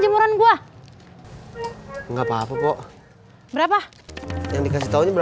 jemuran gua nggak papa kok berapa yang dikasih tahu berapa ya